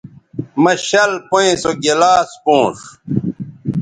مہ شَل پئیں سو گلاس پونݜ